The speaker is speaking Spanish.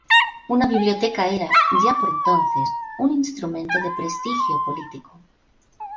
Una biblioteca era, ya por entonces, un instrumento de prestigio político.